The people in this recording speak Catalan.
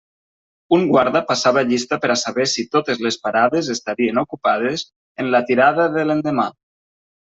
Un guarda passava llista per a saber si totes les parades estarien ocupades en la tirada de l'endemà.